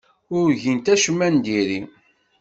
Ur gint acemma n diri.